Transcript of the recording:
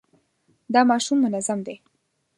دا ماشوم منظم دی.